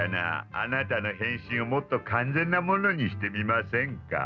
あなたの変身をもっと完全なものにしてみませんか？